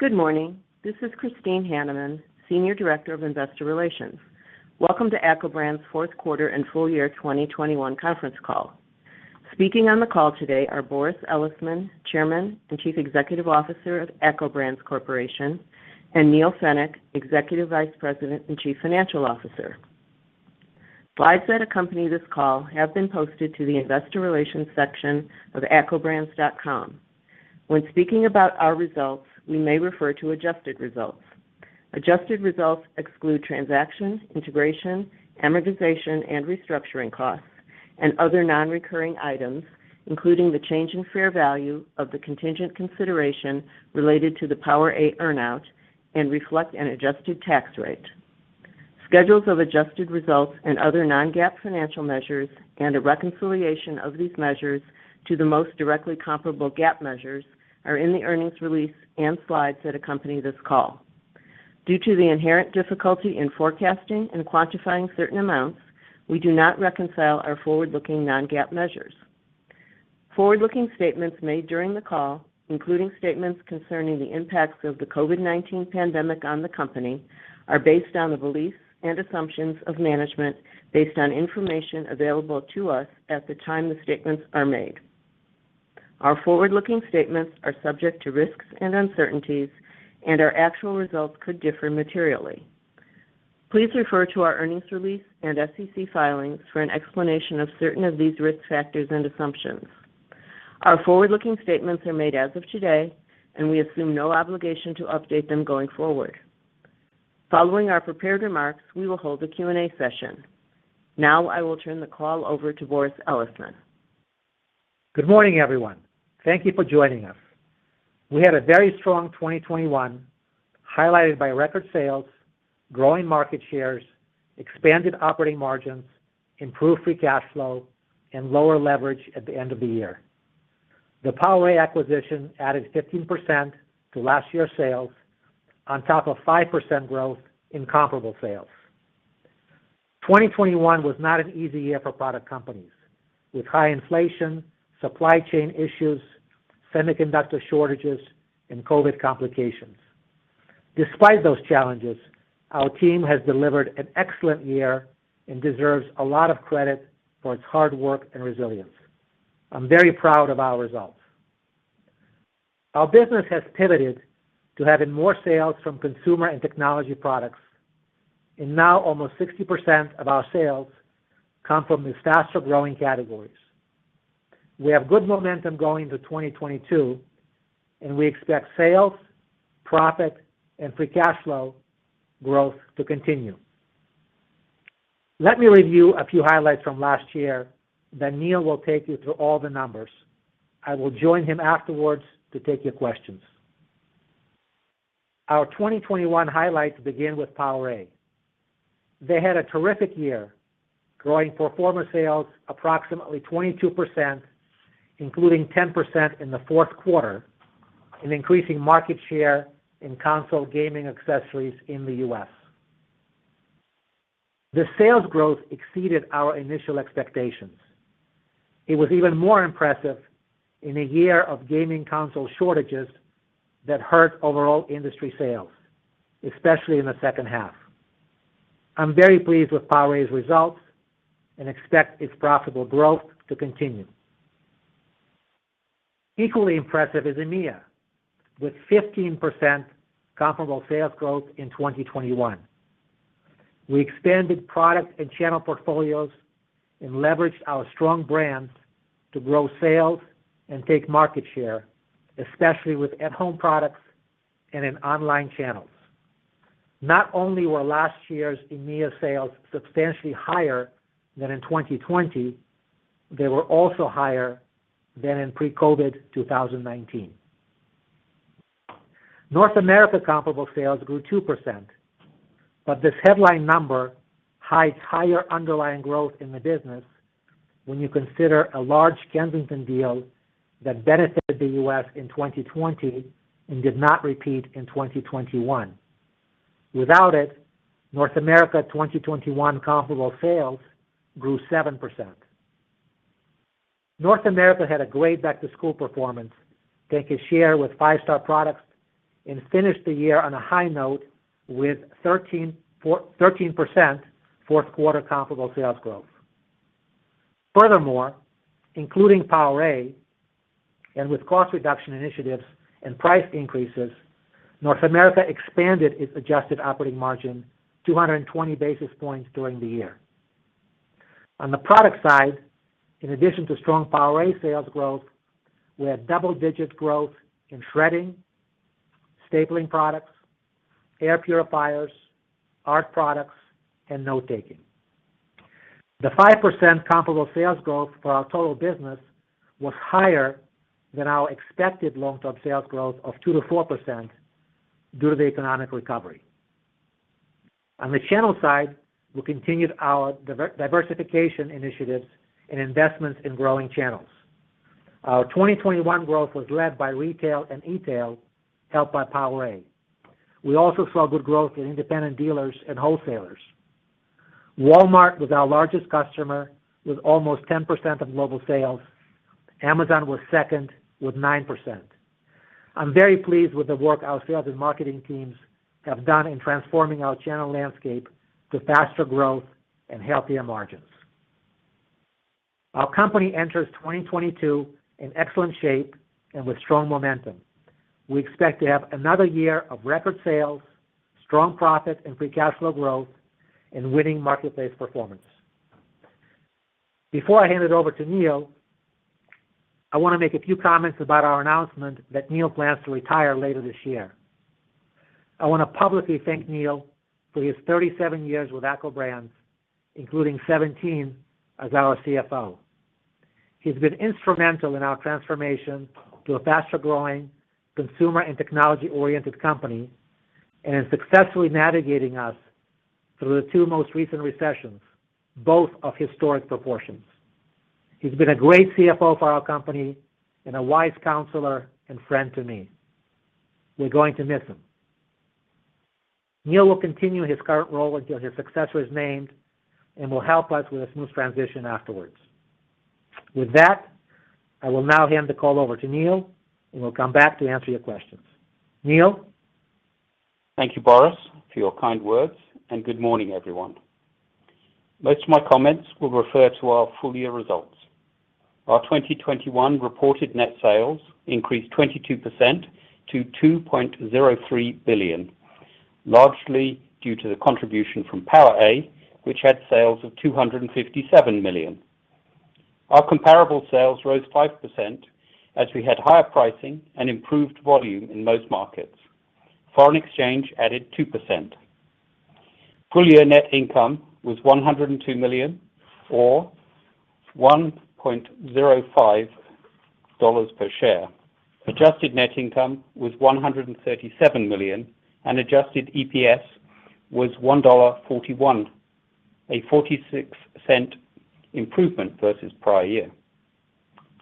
Good morning. This is Christine Hanneman, Senior Director of Investor Relations. Welcome to ACCO Brands fourth quarter and full year 2021 conference call. Speaking on the call today are Boris Elisman, Chairman and Chief Executive Officer of ACCO Brands Corporation, and Neal Fenwick, Executive Vice President and Chief Financial Officer. Slides that accompany this call have been posted to the investor relations section of accobrands.com. When speaking about our results, we may refer to adjusted results. Adjusted results exclude transactions, integration, amortization, and restructuring costs and other non-recurring items, including the change in fair value of the contingent consideration related to the PowerA earn-out and reflect an adjusted tax rate. Schedules of adjusted results and other non-GAAP financial measures and a reconciliation of these measures to the most directly comparable GAAP measures are in the earnings release and slides that accompany this call. Due to the inherent difficulty in forecasting and quantifying certain amounts, we do not reconcile our forward-looking non-GAAP measures. Forward-looking statements made during the call, including statements concerning the impacts of the COVID-19 pandemic on the company, are based on the beliefs and assumptions of management based on information available to us at the time the statements are made. Our forward-looking statements are subject to risks and uncertainties and our actual results could differ materially. Please refer to our earnings release and SEC filings for an explanation of certain of these risk factors and assumptions. Our forward-looking statements are made as of today, and we assume no obligation to update them going forward. Following our prepared remarks, we will hold a Q&A session. Now I will turn the call over to Boris Elisman. Good morning, everyone. Thank you for joining us. We had a very strong 2021, highlighted by record sales, growing market shares, expanded operating margins, improved free cash flow, and lower leverage at the end of the year. The PowerA acquisition added 15% to last year's sales on top of 5% growth in comparable sales. 2021 was not an easy year for product companies, with high inflation, supply chain issues, semiconductor shortages, and COVID complications. Despite those challenges, our team has delivered an excellent year and deserves a lot of credit for its hard work and resilience. I'm very proud of our results. Our business has pivoted to having more sales from consumer and technology products, and now almost 60% of our sales come from these faster-growing categories. We have good momentum going into 2022, and we expect sales, profit, and free cash flow growth to continue. Let me review a few highlights from last year, then Neal will take you through all the numbers. I will join him afterwards to take your questions. Our 2021 highlights begin with PowerA. They had a terrific year, growing pro forma sales approximately 22%, including 10% in the fourth quarter, and increasing market share in console gaming accessories in the U.S. The sales growth exceeded our initial expectations. It was even more impressive in a year of gaming console shortages that hurt overall industry sales, especially in the second half. I'm very pleased with PowerA's results and expect its profitable growth to continue. Equally impressive is EMEA, with 15% comparable sales growth in 2021. We expanded product and channel portfolios and leveraged our strong brands to grow sales and take market share, especially with at-home products and in online channels. Not only were last year's EMEA sales substantially higher than in 2020, they were also higher than in pre-COVID 2019. North America comparable sales grew 2%, but this headline number hides higher underlying growth in the business when you consider a large Kensington deal that benefited the U.S. in 2020 and did not repeat in 2021. Without it, North America 2021 comparable sales grew 7%. North America had a great back-to-school performance, taking share with Five Star products, and finished the year on a high note with 13% fourth quarter comparable sales growth. Furthermore, including PowerA, and with cost reduction initiatives and price increases, North America expanded its adjusted operating margin 220 basis points during the year. On the product side, in addition to strong PowerA sales growth, we had double-digit growth in shredding, stapling products, air purifiers, art products, and note-taking. The 5% comparable sales growth for our total business was higher than our expected long-term sales growth of 2%-4% due to the economic recovery. On the channel side, we continued our diversification initiatives and investments in growing channels. Our 2021 growth was led by retail and e-tail, helped by PowerA. We also saw good growth in independent dealers and wholesalers. Walmart was our largest customer with almost 10% of global sales. Amazon was second with 9%. I'm very pleased with the work our sales and marketing teams have done in transforming our channel landscape to faster growth and healthier margins. Our company enters 2022 in excellent shape and with strong momentum. We expect to have another year of record sales, strong profit, and free cash flow growth in winning marketplace performance. Before I hand it over to Neal, I wanna make a few comments about our announcement that Neal plans to retire later this year. I wanna publicly thank Neal for his 37 years with ACCO Brands, including 17 as our CFO. He's been instrumental in our transformation to a faster-growing consumer and technology-oriented company, and in successfully navigating us through the two most recent recessions, both of historic proportions. He's been a great CFO for our company and a wise counselor and friend to me. We're going to miss him. Neal will continue his current role until his successor is named and will help us with a smooth transition afterwards. With that, I will now hand the call over to Neal, and we'll come back to answer your questions. Neal. Thank you, Boris, for your kind words, and good morning, everyone. Most of my comments will refer to our full-year results. Our 2021 reported net sales increased 22% to $2.03 billion, largely due to the contribution from PowerA, which had sales of $257 million. Our comparable sales rose 5% as we had higher pricing and improved volume in most markets. Foreign exchange added 2%. Full-year net income was $102 million or $1.05 per share. Adjusted net income was $137 million, and adjusted EPS was $1.41, a $0.46 improvement versus prior year.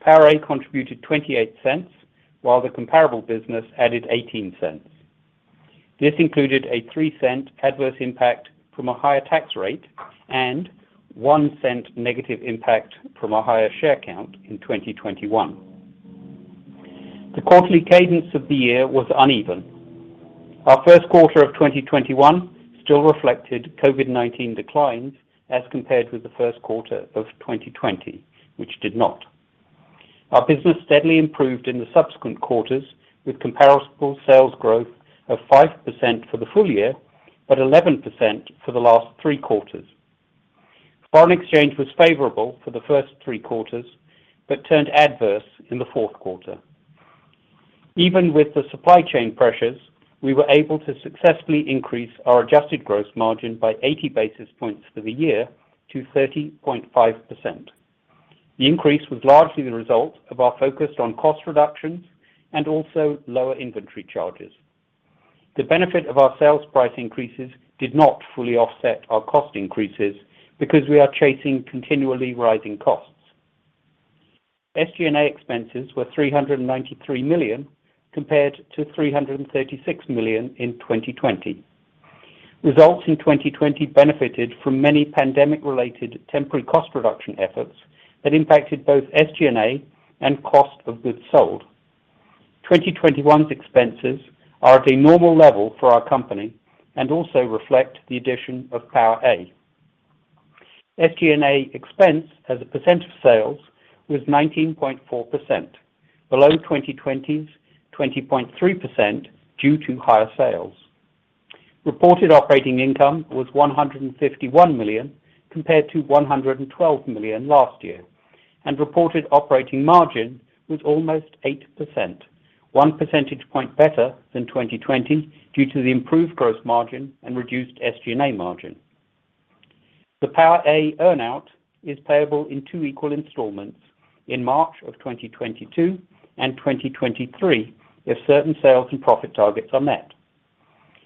PowerA contributed $0.28 while the comparable business added $0.18. This included a $0.03 adverse impact from a higher tax rate and $0.01 negative impact from a higher share count in 2021. The quarterly cadence of the year was uneven. Our first quarter of 2021 still reflected COVID-19 declines as compared with the first quarter of 2020, which did not. Our business steadily improved in the subsequent quarters with comparable sales growth of 5% for the full year, but 11% for the last three quarters. Foreign exchange was favorable for the first three quarters, but turned adverse in the fourth quarter. Even with the supply chain pressures, we were able to successfully increase our adjusted gross margin by 80 basis points for the year to 30.5%. The increase was largely the result of our focus on cost reductions and also lower inventory charges. The benefit of our sales price increases did not fully offset our cost increases because we are chasing continually rising costs. SG&A expenses were $393 million, compared to $336 million in 2020. Results in 2020 benefited from many pandemic-related temporary cost reduction efforts that impacted both SG&A and cost of goods sold. 2021's expenses are at a normal level for our company and also reflect the addition of PowerA. SG&A expense as a percent of sales was 19.4%, below 2020's 20.3% due to higher sales. Reported operating income was $151 million compared to $112 million last year, and reported operating margin was almost 8%, one percentage point better than 2020 due to the improved gross margin and reduced SG&A margin. The PowerA earn-out is payable in two equal installments in March of 2022 and 2023 if certain sales and profit targets are met.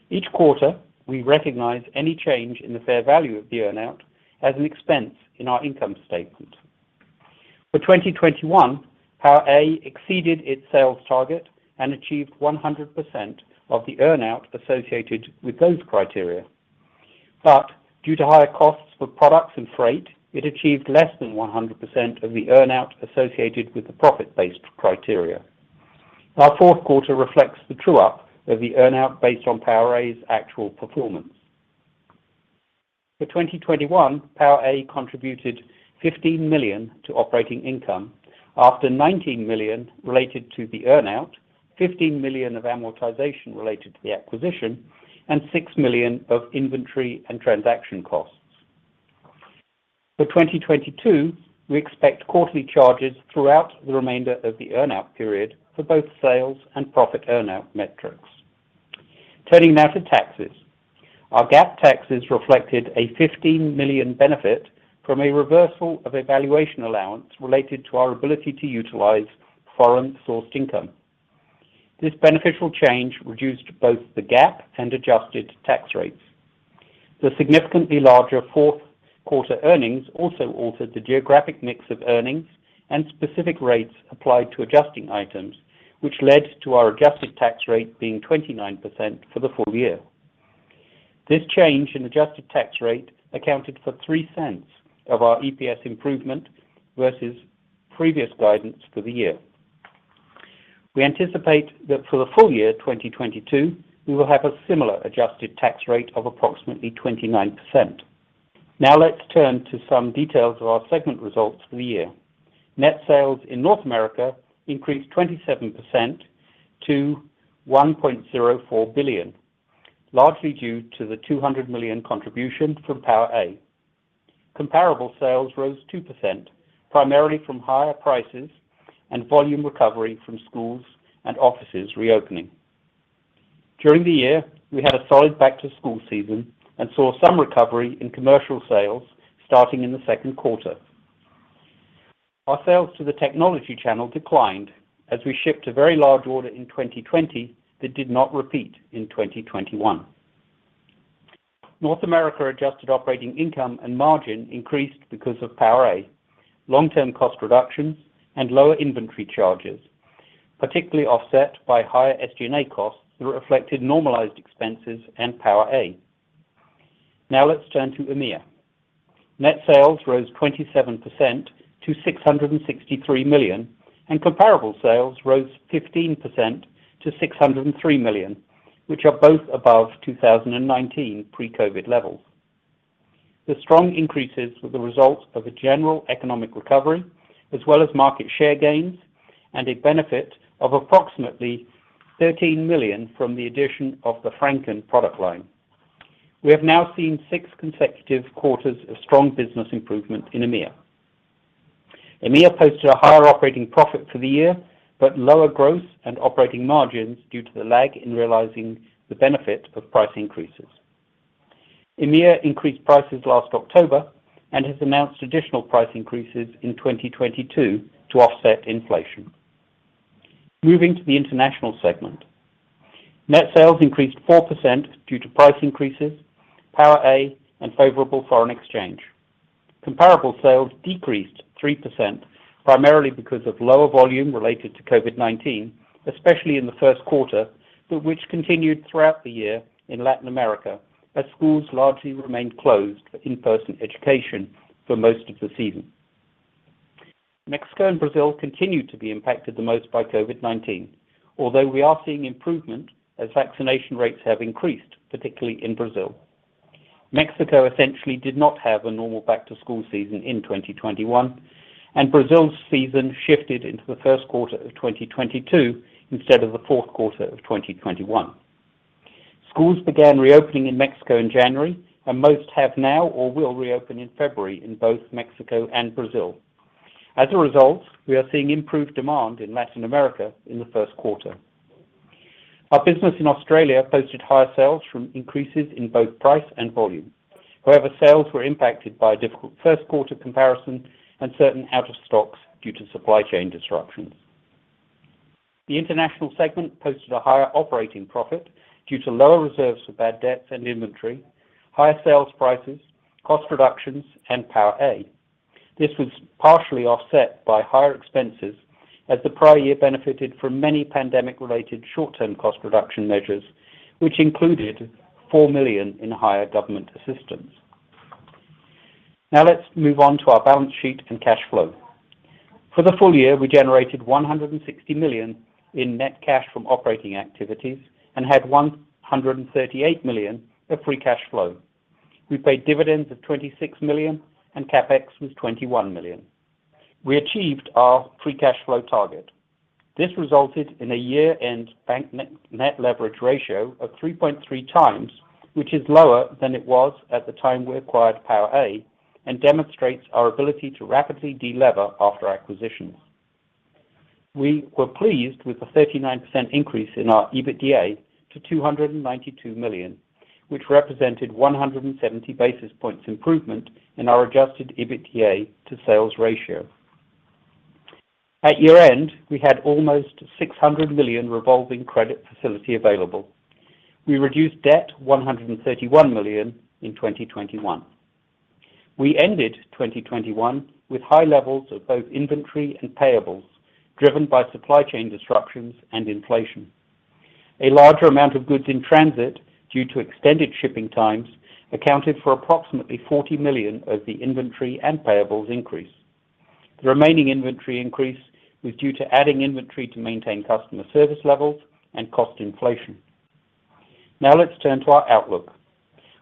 Each quarter, we recognize any change in the fair value of the earn-out as an expense in our income statement. For 2021, PowerA exceeded its sales target and achieved 100% of the earn-out associated with those criteria. Due to higher costs for products and freight, it achieved less than 100% of the earn-out associated with the profit-based criteria. Our fourth quarter reflects the true up of the earn-out based on PowerA's actual performance. For 2021, PowerA contributed $15 million to operating income after $19 million related to the earn-out, $15 million of amortization related to the acquisition, and $6 million of inventory and transaction costs. For 2022, we expect quarterly charges throughout the remainder of the earn out period for both sales and profit earn out metrics. Turning now to taxes. Our GAAP taxes reflected a $15 million benefit from a reversal of a valuation allowance related to our ability to utilize foreign sourced income. This beneficial change reduced both the GAAP and adjusted tax rates. The significantly larger fourth quarter earnings also altered the geographic mix of earnings and specific rates applied to adjusting items, which led to our adjusted tax rate being 29% for the full year. This change in adjusted tax rate accounted for $0.03 of our EPS improvement versus previous guidance for the year. We anticipate that for the full year 2022, we will have a similar adjusted tax rate of approximately 29%. Now let's turn to some details of our segment results for the year. Net sales in North America increased 27% to $1.04 billion, largely due to the $200 million contribution from PowerA. Comparable sales rose 2%, primarily from higher prices and volume recovery from schools and offices reopening. During the year, we had a solid back-to-school season and saw some recovery in commercial sales starting in the second quarter. Our sales to the technology channel declined as we shipped a very large order in 2020 that did not repeat in 2021. North America adjusted operating income and margin increased because of PowerA, long-term cost reductions, and lower inventory charges, partially offset by higher SG&A costs that reflected normalized expenses and PowerA. Now let's turn to EMEA. Net sales rose 27% to $663 million, and comparable sales rose 15% to $603 million, which are both above 2019 pre-COVID levels. The strong increases were the result of a general economic recovery, as well as market share gains and a benefit of approximately $13 million from the addition of the Franken product line. We have now seen six consecutive quarters of strong business improvement in EMEA. EMEA posted a higher operating profit for the year, but lower growth and operating margins due to the lag in realizing the benefit of price increases. EMEA increased prices last October and has announced additional price increases in 2022 to offset inflation. Moving to the international segment. Net sales increased 4% due to price increases, PowerA, and favorable foreign exchange. Comparable sales decreased 3% primarily because of lower volume related to COVID-19, especially in the first quarter, but which continued throughout the year in Latin America, as schools largely remained closed for in-person education for most of the season. Mexico and Brazil continued to be impacted the most by COVID-19. Although we are seeing improvement as vaccination rates have increased, particularly in Brazil, Mexico essentially did not have a normal back-to-school season in 2021, and Brazil's season shifted into the first quarter of 2022 instead of the fourth quarter of 2021. Schools began reopening in Mexico in January, and most have now or will reopen in February in both Mexico and Brazil. As a result, we are seeing improved demand in Latin America in the first quarter. Our business in Australia posted higher sales from increases in both price and volume. However, sales were impacted by a difficult first quarter comparison and certain out of stocks due to supply chain disruptions. The international segment posted a higher operating profit due to lower reserves for bad debts and inventory, higher sales prices, cost reductions, and PowerA. This was partially offset by higher expenses as the prior year benefited from many pandemic-related short-term cost reduction measures, which included $4 million in higher government assistance. Now let's move on to our balance sheet and cash flow. For the full year, we generated $160 million in net cash from operating activities and had $138 million of free cash flow. We paid dividends of $26 million and CapEx was $21 million. We achieved our free cash flow target. This resulted in a year-end net-net leverage ratio of 3.3x, which is lower than it was at the time we acquired PowerA and demonstrates our ability to rapidly delever after acquisitions. We were pleased with the 39% increase in our EBITDA to $292 million, which represented 170 basis points improvement in our adjusted EBITDA to sales ratio. At year-end, we had almost $600 million revolving credit facility available. We reduced debt $131 million in 2021. We ended 2021 with high levels of both inventory and payables, driven by supply chain disruptions and inflation. A larger amount of goods in transit due to extended shipping times accounted for approximately $40 million of the inventory and payables increase. The remaining inventory increase was due to adding inventory to maintain customer service levels and cost inflation. Now let's turn to our outlook.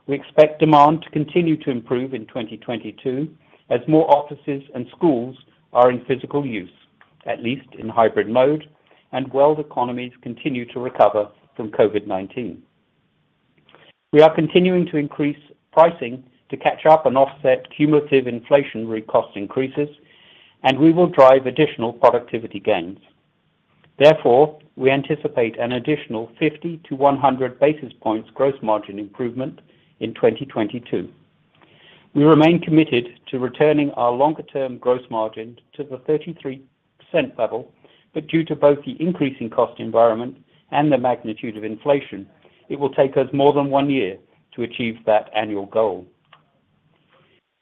We expect demand to continue to improve in 2022 as more offices and schools are in physical use, at least in hybrid mode, and world economies continue to recover from COVID-19. We are continuing to increase pricing to catch up and offset cumulative inflationary cost increases, and we will drive additional productivity gains. Therefore, we anticipate an additional 50-100 basis points gross margin improvement in 2022. We remain committed to returning our longer-term gross margin to the 33% level. Due to both the increasing cost environment and the magnitude of inflation, it will take us more than one year to achieve that annual goal.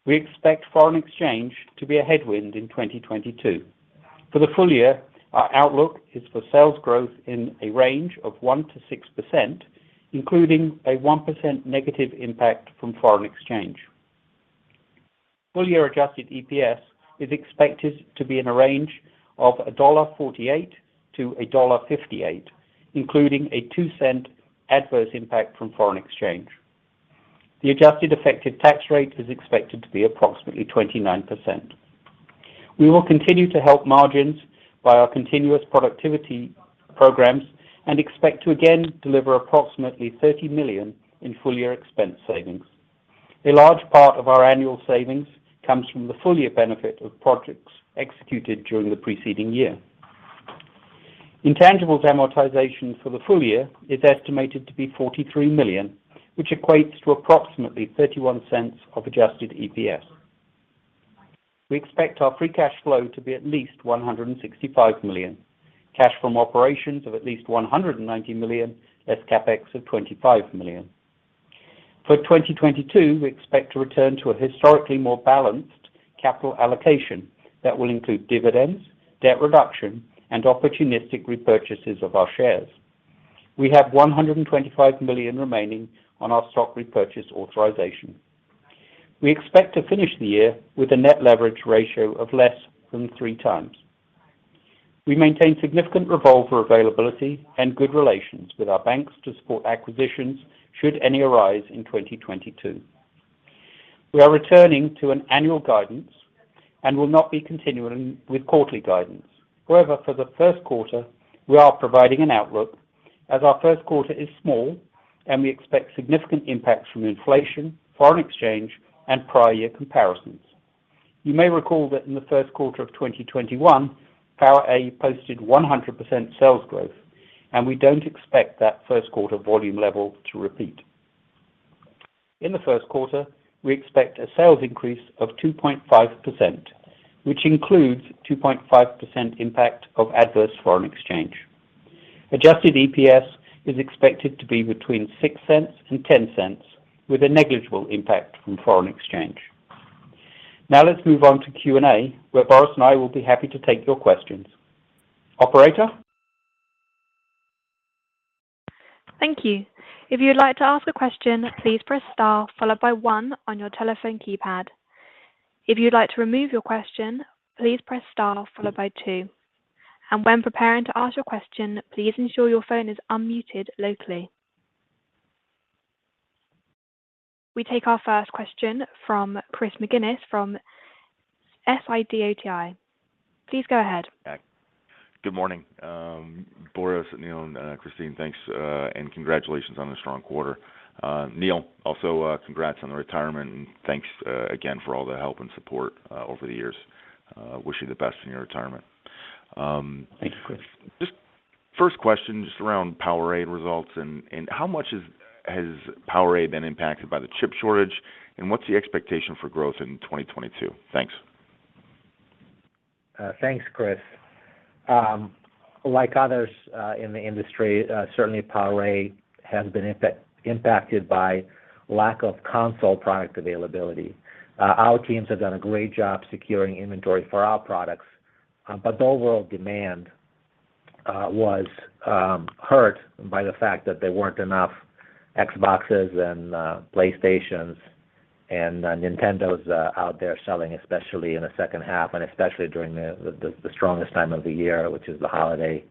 We expect foreign exchange to be a headwind in 2022. For the full year, our outlook is for sales growth in a range of 1%-6%, including a 1% negative impact from foreign exchange. Full year adjusted EPS is expected to be in a range of $1.48-$1.58, including a $0.02 adverse impact from foreign exchange. The adjusted effective tax rate is expected to be approximately 29%. We will continue to help margins by our continuous productivity programs and expect to again deliver approximately $30 million in full year expense savings. A large part of our annual savings comes from the full year benefit of projects executed during the preceding year. Intangibles amortization for the full year is estimated to be $43 million, which equates to approximately $0.31 of adjusted EPS. We expect our free cash flow to be at least $165 million. Cash from operations of at least $190 million less CapEx of $25 million. For 2022, we expect to return to a historically more balanced capital allocation that will include dividends, debt reduction and opportunistic repurchases of our shares. We have $125 million remaining on our stock repurchase authorization. We expect to finish the year with a net leverage ratio of less than 3x. We maintain significant revolver availability and good relations with our banks to support acquisitions should any arise in 2022. We are returning to an annual guidance and will not be continuing with quarterly guidance. However, for the first quarter, we are providing an outlook as our first quarter is small and we expect significant impacts from inflation, foreign exchange and prior year comparisons. You may recall that in the first quarter of 2021, PowerA posted 100% sales growth, and we don't expect that first quarter volume level to repeat. In the first quarter, we expect a sales increase of 2.5%, which includes 2.5% impact of adverse foreign exchange. Adjusted EPS is expected to be between $0.06 and $0.10 with a negligible impact from foreign exchange. Now let's move on to Q&A, where Boris and I will be happy to take your questions. Operator? We take our first question from Chris McGinnis from Sidoti. Please go ahead. Good morning, Boris, Neal and Christine. Thanks, and congratulations on the strong quarter. Neal, also, congrats on the retirement, and thanks, again for all the help and support, over the years. Wish you the best in your retirement. Thank you, Chris. Just first question, just around PowerA results and how much has PowerA been impacted by the chip shortage, and what's the expectation for growth in 2022? Thanks. Thanks, Chris. Like others in the industry, certainly PowerA has been impacted by lack of console product availability. Our teams have done a great job securing inventory for our products, but the overall demand was hurt by the fact that there weren't enough Xboxes and PlayStations and Nintendos out there selling, especially in the second half, and especially during the strongest time of the year, which is the holiday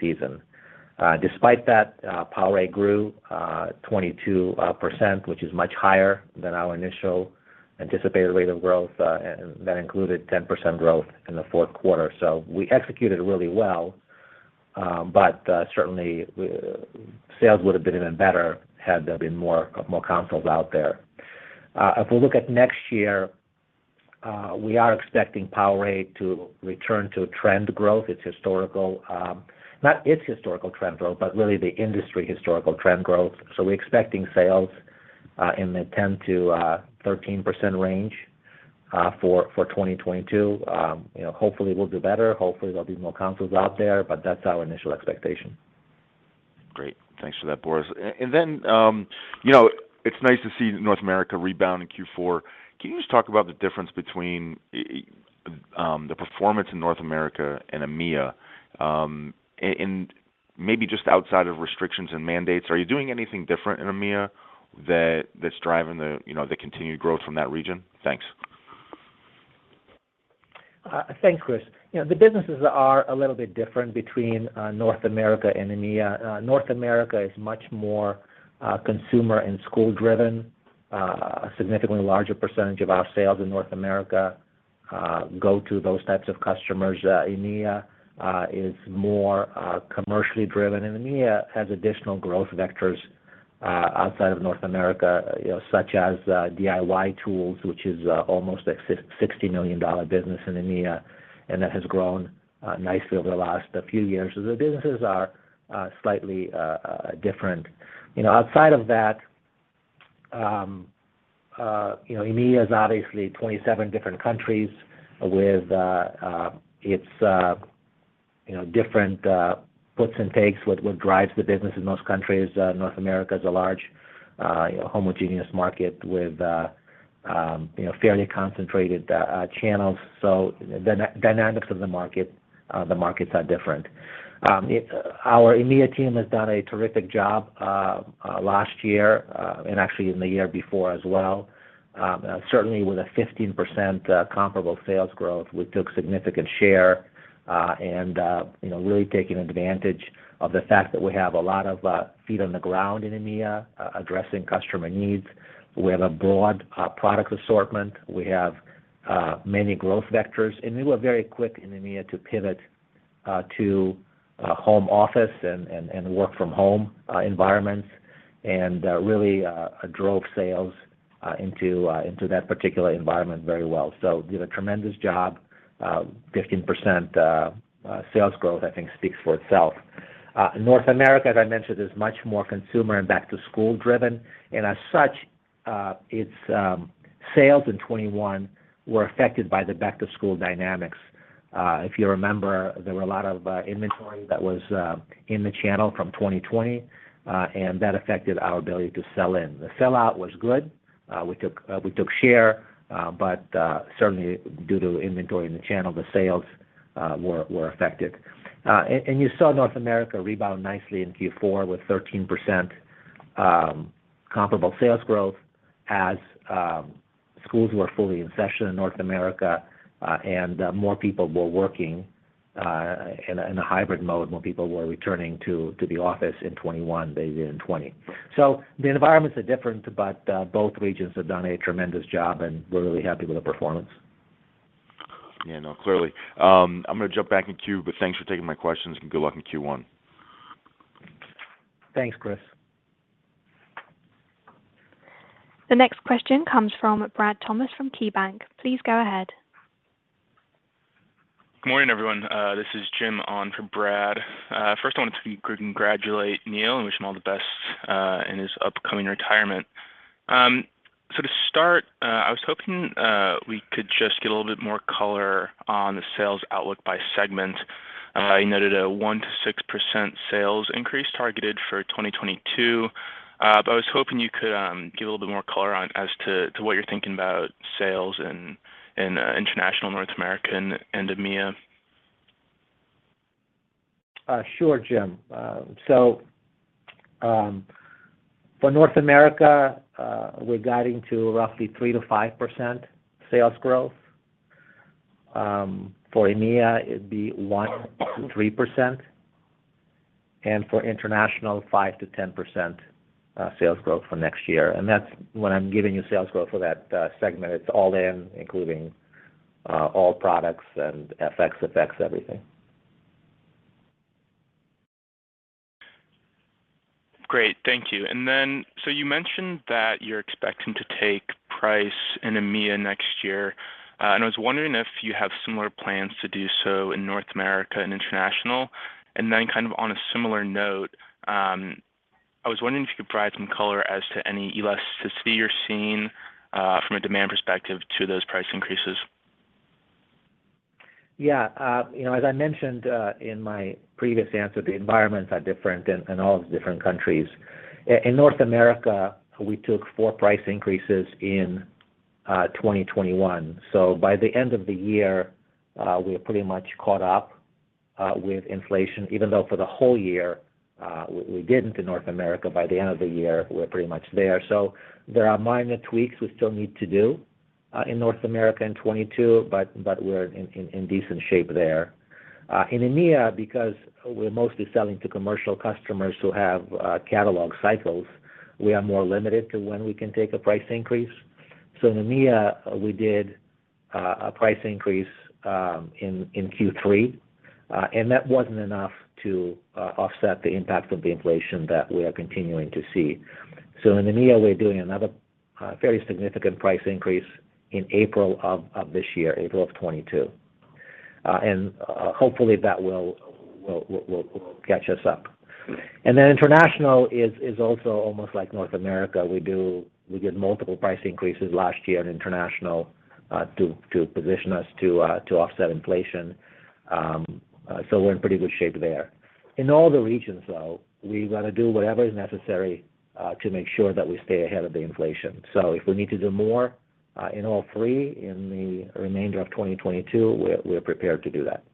season. Despite that, PowerA grew 22%, which is much higher than our initial anticipated rate of growth, and that included 10% growth in the fourth quarter. We executed really well, but certainly sales would have been even better had there been more consoles out there. If we look at next year, we are expecting PowerA to return to trend growth. Not its historical trend growth, but really the industry historical trend growth. We're expecting sales in the 10%-13% range for 2022. You know, hopefully we'll do better. Hopefully there'll be more consoles out there, but that's our initial expectation. Great. Thanks for that, Boris. And then, you know, it's nice to see North America rebound in Q4. Can you just talk about the difference between the performance in North America and EMEA, and maybe just outside of restrictions and mandates, are you doing anything different in EMEA that's driving the, you know, the continued growth from that region? Thanks. Thanks, Chris. You know, the businesses are a little bit different between North America and EMEA. North America is much more consumer and school driven. A significantly larger percentage of our sales in North America go to those types of customers. EMEA is more commercially driven, and EMEA has additional growth vectors outside of North America, you know, such as DIY tools, which is almost a $60 million business in EMEA, and that has grown nicely over the last few years. The businesses are slightly different. You know, outside of that You know, EMEA is obviously 27 different countries with its, you know, different puts and takes, what drives the business in most countries. North America is a large homogeneous market with, you know, fairly concentrated channels. The dynamics of the market, the markets are different. Our EMEA team has done a terrific job last year, and actually in the year before as well, certainly with a 15% comparable sales growth. We took significant share, and, you know, really taking advantage of the fact that we have a lot of feet on the ground in EMEA addressing customer needs. We have a broad product assortment. We have many growth vectors. We were very quick in EMEA to pivot to home office and work from home environments and really drove sales into that particular environment very well. We did a tremendous job. 15% sales growth, I think, speaks for itself. North America, as I mentioned, is much more consumer and back-to-school driven. As such, its sales in 2021 were affected by the back-to-school dynamics. If you remember, there were a lot of inventory that was in the channel from 2020 and that affected our ability to sell in. The sell out was good. We took share, but certainly due to inventory in the channel, the sales were affected. You saw North America rebound nicely in Q4 with 13% comparable sales growth as schools were fully in session in North America, and more people were working in a hybrid mode. More people were returning to the office in 2021 than they did in 2020. The environments are different, but both regions have done a tremendous job, and we're really happy with the performance. Yeah, no, clearly. I'm gonna jump back in queue, but thanks for taking my questions, and good luck in Q1. Thanks, Chris. The next question comes from Bradley Thomas from KeyBanc. Please go ahead. Good morning, everyone. This is Jim on for Brad Thomas. First I wanted to congratulate Neal Fenwick and wish him all the best in his upcoming retirement. To start, I was hoping we could just get a little bit more color on the sales outlook by segment. I noted a 1%-6% sales increase targeted for 2022. But I was hoping you could give a little bit more color on as to what you're thinking about sales in International, North America, and EMEA. Sure, Jim. For North America, we're guiding to roughly 3%-5% sales growth. For EMEA, it'd be 1%-3%. For International, 5%-10% sales growth for next year. That's when I'm giving you sales growth for that segment, it's all in, including all products and FX affects everything. Great. Thank you. You mentioned that you're expecting to take price in EMEA next year, and I was wondering if you have similar plans to do so in North America and International? Kind of on a similar note, I was wondering if you could provide some color as to any elasticity you're seeing, from a demand perspective to those price increases? Yeah. You know, as I mentioned in my previous answer, the environments are different in all the different countries. In North America, we took four price increases in 2021. By the end of the year, we are pretty much caught up with inflation. Even though for the whole year, we didn't in North America, by the end of the year, we're pretty much there. There are minor tweaks we still need to do in North America in 2022, but we're in decent shape there. In EMEA, because we're mostly selling to commercial customers who have catalog cycles, we are more limited to when we can take a price increase. In EMEA, we did a price increase in Q3. That wasn't enough to offset the impact of the inflation that we are continuing to see. In EMEA, we're doing another very significant price increase in April of this year, April 2022. Hopefully that will catch us up. Then International is also almost like North America. We did multiple price increases last year in International to position us to offset inflation. We're in pretty good shape there. In all the regions, though, we gotta do whatever is necessary to make sure that we stay ahead of the inflation. If we need to do more in all three in the remainder of 2022, we're prepared to do that.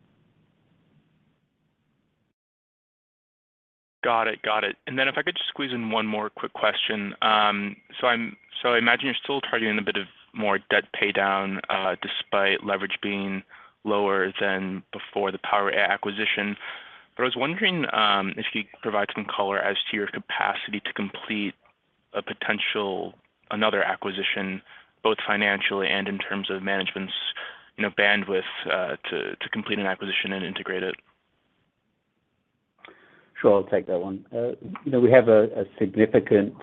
Got it. Then if I could just squeeze in one more quick question. So I imagine you're still targeting a bit of more debt paydown, despite leverage being lower than before the PowerA acquisition. I was wondering if you could provide some color as to your capacity to complete another acquisition, both financially and in terms of management's, you know, bandwidth, to complete an acquisition and integrate it. Sure. I'll take that one. You know, we have a significant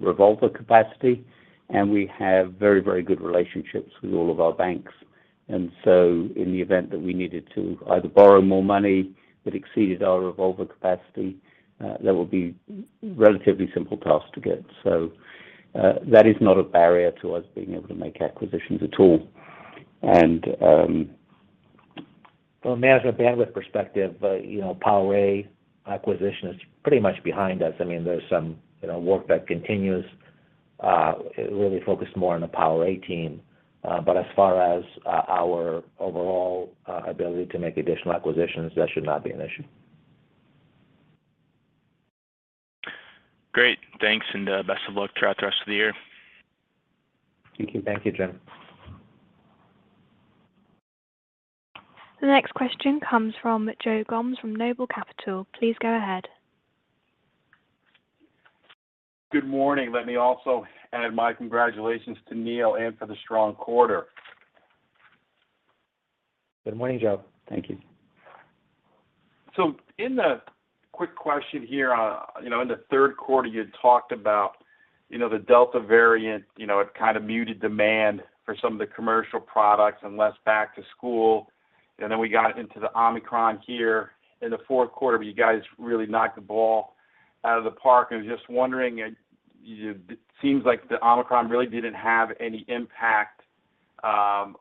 revolver capacity, and we have very, very good relationships with all of our banks. In the event that we needed to either borrow more money that exceeded our revolver capacity, that will be relatively simple task to get. That is not a barrier to us being able to make acquisitions at all. From a management bandwidth perspective, you know, PowerA acquisition is pretty much behind us. I mean, there's some, you know, work that continues, really focused more on the PowerA team. But as far as our overall ability to make additional acquisitions, that should not be an issue. Great. Thanks, and best of luck throughout the rest of the year. Thank you. Thank you, John. The next question comes from Joe Gomes from Noble Capital. Please go ahead. Good morning. Let me also add my congratulations to Neal and for the strong quarter. Good morning, Joe. Thank you. Quick question here. You know, in the third quarter, you had talked about, you know, the Delta variant, you know, it kind of muted demand for some of the commercial products and less back to school, and then we got into the Omicron here in the fourth quarter, but you guys really knocked the ball out of the park. I was just wondering, it seems like the Omicron really didn't have any impact,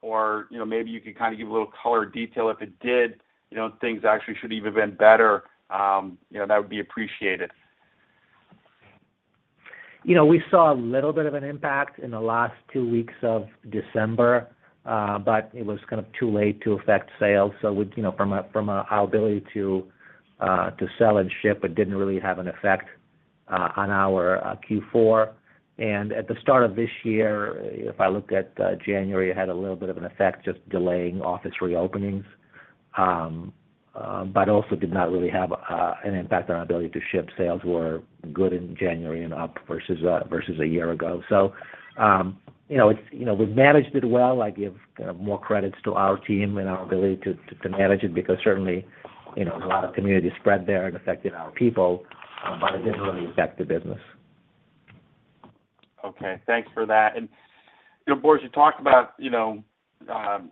or, you know, maybe you could kind of give a little color detail if it did, you know, things actually should even been better, you know, that would be appreciated? You know, we saw a little bit of an impact in the last two weeks of December, but it was kind of too late to affect sales. You know, from our ability to sell and ship, it didn't really have an effect on our Q4. At the start of this year, if I looked at January, it had a little bit of an effect just delaying office reopenings but also did not really have an impact on our ability to ship. Sales were good in January and up versus a year ago. You know, we've managed it well. I give more credits to our team and our ability to manage it because certainly, you know, a lot of community spread there and affected our people, but it didn't really affect the business. Okay. Thanks for that. You know, Boris, you talked about, you know,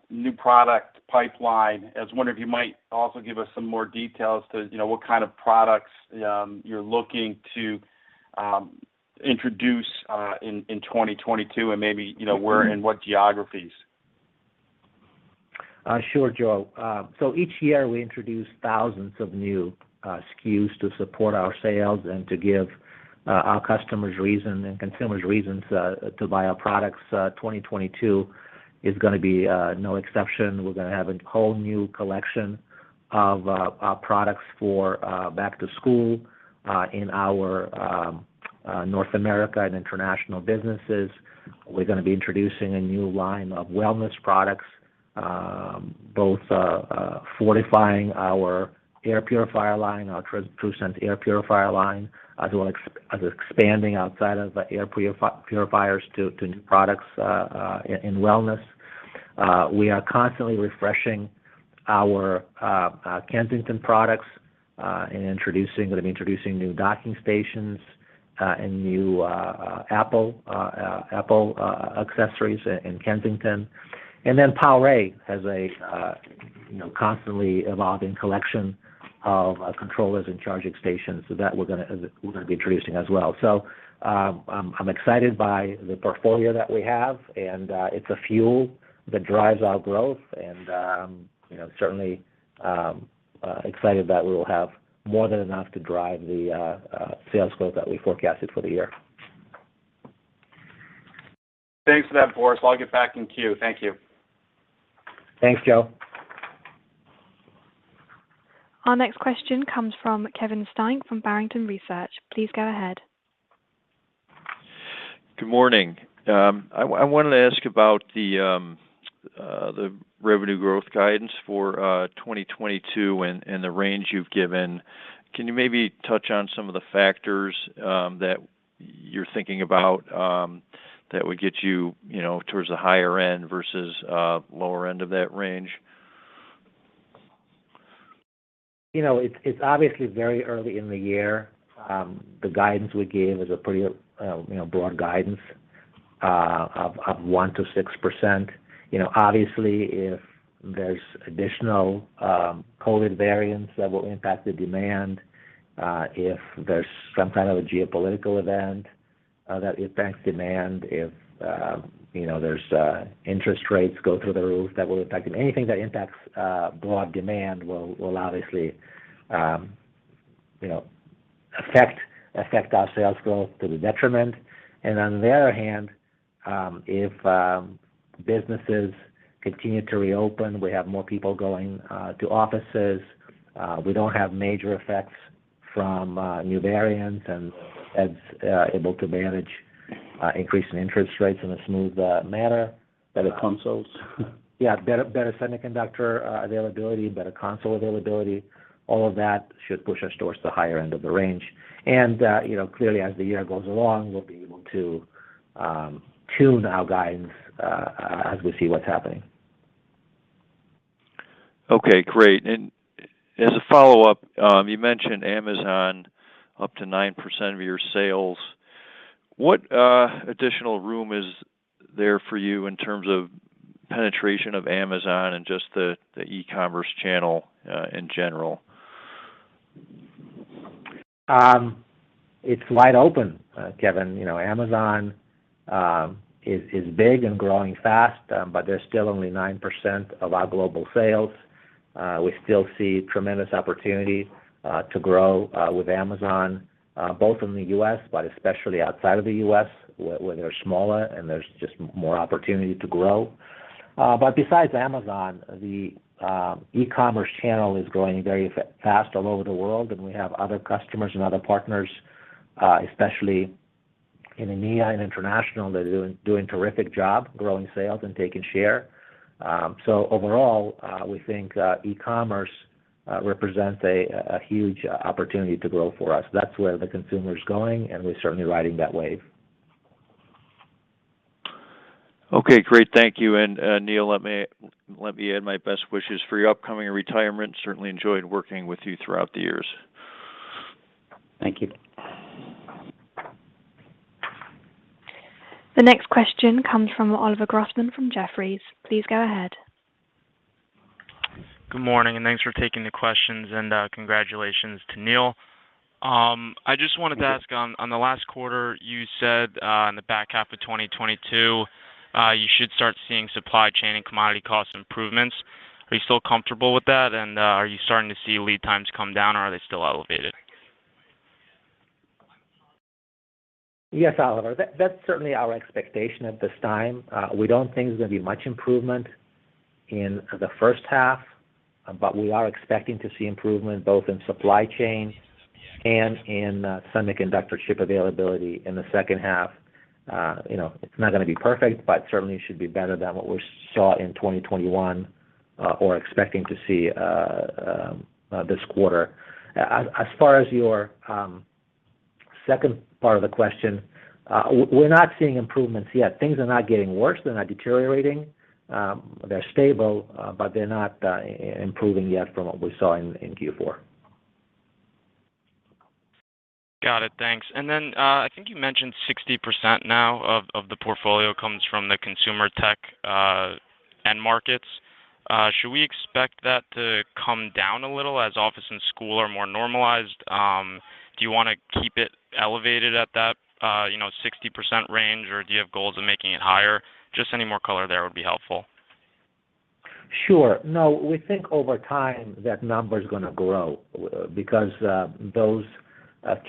new product pipeline. I was wondering if you might also give us some more details to, you know, what kind of products, you're looking to, introduce, uh, in 2022 and maybe, you know, where and what geographies? Sure, Joe. Each year we introduce thousands of new SKUs to support our sales and to give our customers reason and consumers reasons to buy our products. 2022 is gonna be no exception. We're gonna have a whole new collection of our products for back to school in our North American and international businesses. We're gonna be introducing a new line of wellness products, both fortifying our air purifier line, our TruSens air purifier line, as well as expanding outside of the air purifiers to new products in wellness. We are constantly refreshing our Kensington products and we'll be introducing new docking stations and new Apple accessories in Kensington. PowerA has a, you know, constantly evolving collection of controllers and charging stations. That we're gonna be introducing as well. I'm excited by the portfolio that we have and it's a fuel that drives our growth and you know certainly excited that we will have more than enough to drive the sales growth that we forecasted for the year. Thanks for that, Boris. I'll get back in queue. Thank you. Thanks, Joe. Our next question comes from Kevin Steinke from Barrington Research. Please go ahead. Good morning. I wanted to ask about the revenue growth guidance for 2022 and the range you've given. Can you maybe touch on some of the factors that you're thinking about that would get you know, towards the higher end versus lower end of that range? You know, it's obviously very early in the year. The guidance we gave is a pretty you know broad guidance of 1%-6%. You know, obviously, if there's additional COVID variants that will impact the demand, if there's some kind of a geopolitical event that impacts demand, if you know there's interest rates go through the roof, that will impact them. Anything that impacts broad demand will obviously you know affect our sales growth to the detriment. On the other hand, if businesses continue to reopen, we have more people going to offices. We don't have major effects from new variants and able to manage increasing interest rates in a smooth manner. Better consoles. Yeah, better semiconductor availability, better console availability, all of that should push us towards the higher end of the range. You know, clearly as the year goes along, we'll be able to tune our guidance as we see what's happening. Okay, great. As a follow-up, you mentioned Amazon up to 9% of your sales. What additional room is there for you in terms of penetration of Amazon and just the e-commerce channel in general? It's wide open, Kevin. You know, Amazon is big and growing fast, but they're still only 9% of our global sales. We still see tremendous opportunity to grow with Amazon, both in the U.S., but especially outside of the U.S. where they're smaller and there's just more opportunity to grow. But besides Amazon, the e-commerce channel is growing very fast all over the world, and we have other customers and other partners, especially in EMEA and international that are doing a terrific job growing sales and taking share. So overall, we think e-commerce represents a huge opportunity to grow for us. That's where the consumer's going, and we're certainly riding that wave. Okay, great. Thank you. Neal, let me add my best wishes for your upcoming retirement. Certainly enjoyed working with you throughout the years. Thank you. The next question comes from Oliver Grossman from Jefferies. Please go ahead. Good morning, and thanks for taking the questions, and congratulations to Neal. I just wanted to ask on the last quarter, you said in the back half of 2022 you should start seeing supply chain and commodity cost improvements. Are you still comfortable with that? Are you starting to see lead times come down, or are they still elevated? Yes, Oliver, that's certainly our expectation at this time. We don't think there's gonna be much improvement in the first half, but we are expecting to see improvement both in supply chain and in semiconductor chip availability in the second half. You know, it's not gonna be perfect, but certainly should be better than what we saw in 2021 or expecting to see this quarter. As far as your second part of the question, we're not seeing improvements yet. Things are not getting worse. They're not deteriorating. They're stable, but they're not improving yet from what we saw in Q4. Got it. Thanks. Then, I think you mentioned 60% now of the portfolio comes from the consumer tech end markets. Should we expect that to come down a little as office and school are more normalized? Do you wanna keep it elevated at that, you know, 60% range, or do you have goals of making it higher? Just any more color there would be helpful. Sure. No, we think over time, that number's gonna grow because those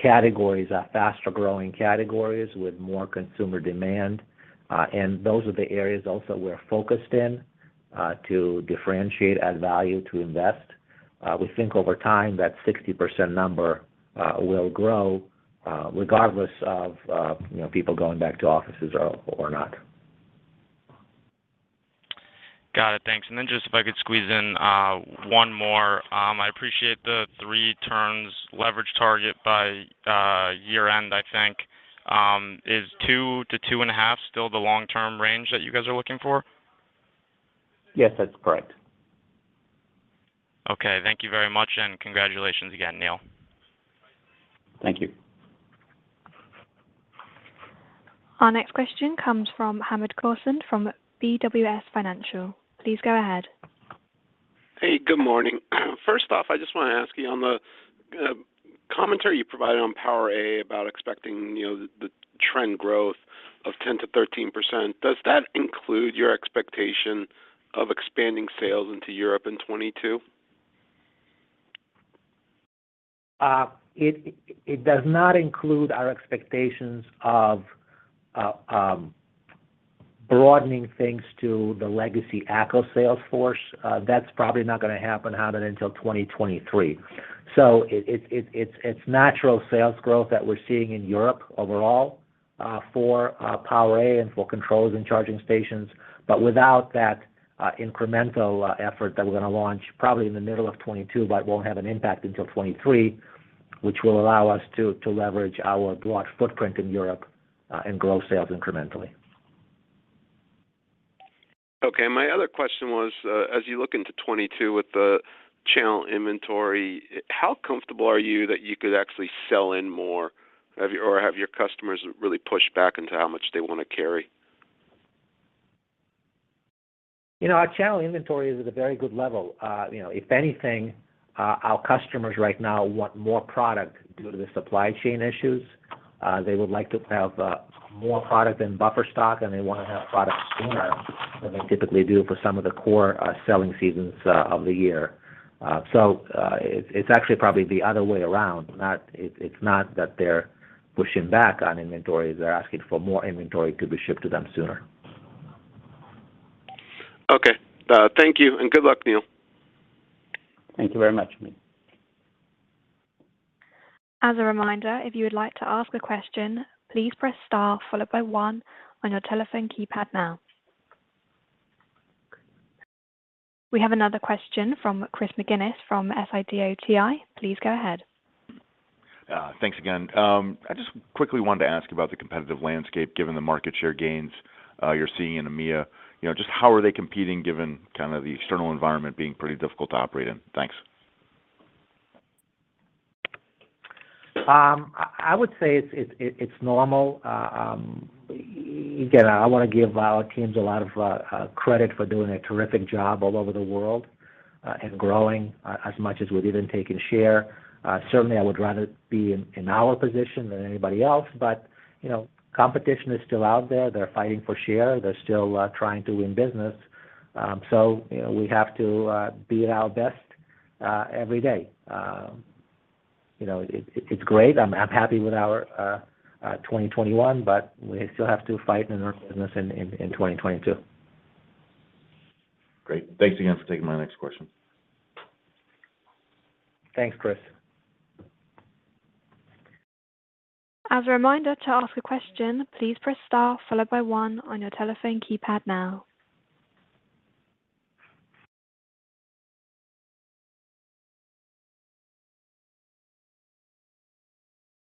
categories are faster-growing categories with more consumer demand, and those are the areas also we're focused in to differentiate, add value, to invest. We think over time, that 60% number will grow regardless of you know, people going back to offices or not. Got it, thanks. Just if I could squeeze in, one more. I appreciate the three turns leverage target by year-end, I think. Is 2x-2.5x still the long-term range that you guys are looking for? Yes, that's correct. Okay, thank you very much, and congratulations again, Neal. Thank you. Our next question comes from Hamed Khorsand from BWS Financial. Please go ahead. Hey, good morning. First off, I just wanna ask you on the commentary you provided on PowerA about expecting the trend growth of 10%-13%, does that include your expectation of expanding sales into Europe in 2022? It does not include our expectations of broadening things to the legacy ACCO sales force. That's probably not gonna happen, Hamed, until 2023. It's natural sales growth that we're seeing in Europe overall for PowerA and for controls and charging stations. Without that incremental effort that we're gonna launch probably in the middle of 2022, but won't have an impact until 2023, which will allow us to leverage our broad footprint in Europe and grow sales incrementally. Okay. My other question was, as you look into 2022 with the channel inventory, how comfortable are you that you could actually sell in more? Or have your customers really pushed back on how much they wanna carry? You know, our channel inventory is at a very good level. You know, if anything, our customers right now want more product due to the supply chain issues. They would like to have more product than buffer stock, and they wanna have product sooner than they typically do for some of the core selling seasons of the year. It's actually probably the other way around. It's not that they're pushing back on inventory. They're asking for more inventory to be shipped to them sooner. Okay. Thank you, and good luck, Neil. Thank you very much, Hamed. As a reminder, if you would like to ask a question, please press star followed by one on your telephone keypad now. We have another question from Chris McGinnis from Sidoti. Please go ahead. Thanks again. I just quickly wanted to ask about the competitive landscape, given the market share gains, you're seeing in EMEA. You know, just how are they competing given kind of the external environment being pretty difficult to operate in? Thanks. I would say it's normal. Again, I wanna give our teams a lot of credit for doing a terrific job all over the world and growing as much as we've even taken share. Certainly I would rather be in our position than anybody else, but you know, competition is still out there. They're fighting for share. They're still trying to win business. You know, we have to be at our best every day. You know, it's great. I'm happy with our 2021, but we still have to fight and earn business in 2022. Great. Thanks again for taking my next question. Thanks, Chris. As a reminder, to ask a question, please press star followed by one on your telephone keypad now.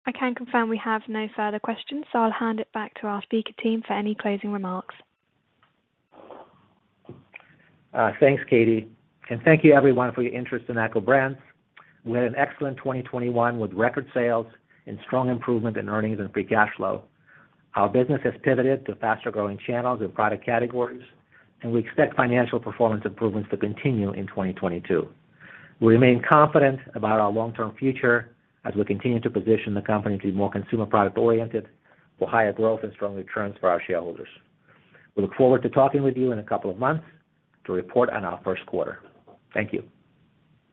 I can confirm we have no further questions, so I'll hand it back to our speaker team for any closing remarks. Thanks, Katie. Thank you everyone for your interest in ACCO Brands. We had an excellent 2021 with record sales and strong improvement in earnings and free cash flow. Our business has pivoted to faster growing channels and product categories, and we expect financial performance improvements to continue in 2022. We remain confident about our long-term future as we continue to position the company to be more consumer product oriented for higher growth and strong returns for our shareholders. We look forward to talking with you in a couple of months to report on our first quarter. Thank you.